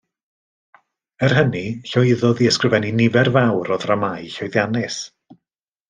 Er hynny llwyddodd i ysgrifennu nifer fawr o ddramâu llwyddiannus.